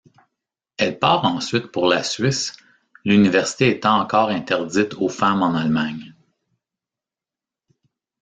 Elle part ensuite pour la Suisse, l'université étant encore interdite aux femmes en Allemagne.